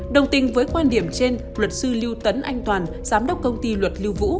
đồng tình với quan điểm trên luật sư lưu tấn anh toàn giám đốc công ty luật lưu vũ